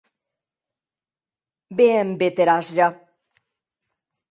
Be èm veterans ja!.